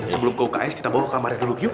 sebelum ke uks kita bawa ke kamarnya dulu yuk